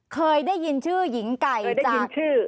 เคยได้ยินชื่อหญิงไก่จากชื่อ